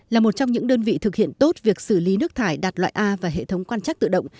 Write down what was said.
là một trong những đơn vị thực hiện tốt việc xử lý nước thải đạt loại a và hệ thống quan chắc tự động